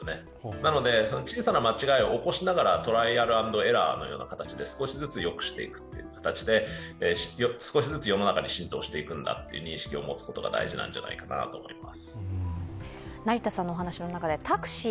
なので、小さな間違いをお越しながらトライアル・アンド・エラーという形で少しずつよくしていくという形で、少しずつ世の中に浸透していくんだという認識を持つことが大事なんじゃないかと思います。